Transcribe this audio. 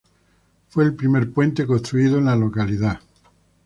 Fue el primer puente construido en la localidad.